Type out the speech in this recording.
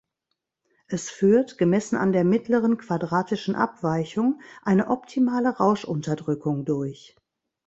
Es führt, gemessen an der mittleren quadratischen Abweichung, eine optimale Rauschunterdrückung durch.